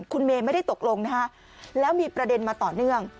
คุณเมย์ไม่ได้ตกลงนะฮะแล้วมีประเด็นมาต่อเนื่อง